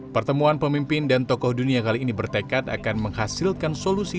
pertemuan pemimpin dan tokoh dunia kali ini bertekad akan menghasilkan solusi